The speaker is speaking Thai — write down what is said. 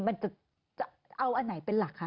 มันจะเอาอันไหนเป็นหลักคะ